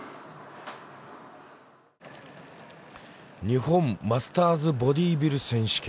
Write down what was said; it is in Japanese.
日本マスターズボディビル選手権。